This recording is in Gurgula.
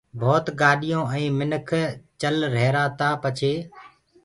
ڀوت گآڏِيونٚ آئينٚ منک چل ريهرآ تآ پڇي